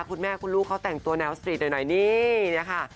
คุณแม่คุณลูกเขาแต่งตัวแนวสตรีทหน่อยนี่เนี่ยค่ะ